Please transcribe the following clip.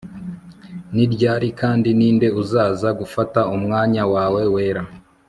ni ryari kandi ninde uzaza gufata umwanya wawe wera